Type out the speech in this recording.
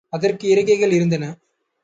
அதற்கு இறக்கைகளும் இருந்தன.